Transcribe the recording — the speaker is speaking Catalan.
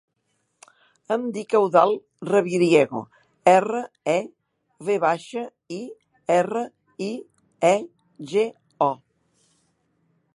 Em dic Eudald Reviriego: erra, e, ve baixa, i, erra, i, e, ge, o.